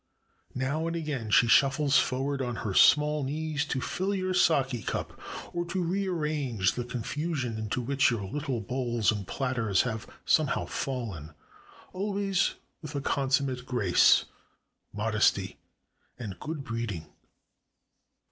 Now and again she shuffles forward on her small knees to fill your sake cup, or to re arrange the confusion into which your Httle bowls and platters have somehow fallen; always with a con summate grace, modesty, and good breeding.